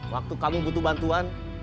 waktu kamu butuh bantuan